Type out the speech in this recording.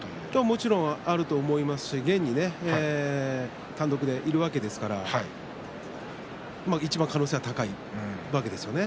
もちろんあると思いますし現に単独でいるわけですからいちばん可能性が高いわけですよね。